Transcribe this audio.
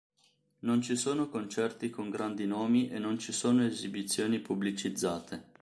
Non ci sono concerti con grandi nomi e non ci sono esibizioni pubblicizzate.